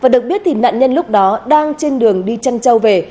được biết nạn nhân lúc đó đang trên đường đi chân châu về